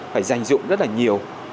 phải dành dụng rất là nhiều